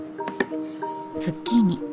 ズッキーニ。